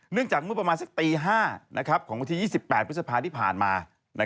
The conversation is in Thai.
จากเมื่อประมาณสักตี๕ของวันที่๒๘พฤษภาที่ผ่านมา